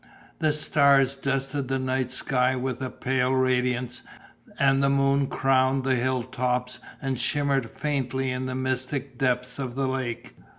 The stars dusted the night sky with a pale radiance; and the moon crowned the hill tops and shimmered faintly in the mystic depths of the lake.